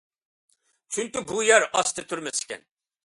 چۈنكى، بۇ يەر ئاستى تۈرمىسى ئىكەن.